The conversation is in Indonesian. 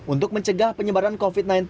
untuk mencegah penyebaran covid sembilan belas